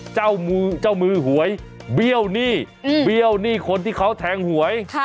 เจ้ามือหวยเบี้ยวหนี้เบี้ยวหนี้คนที่เขาแทงหวย